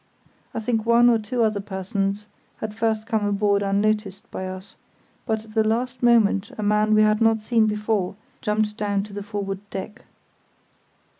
I think one or two other persons had first come aboard unnoticed by us, but at the last moment a man we had not seen before jumped down to the forward deck.